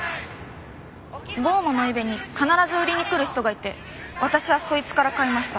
『降魔』のイベに必ず売りに来る人がいて私はそいつから買いました。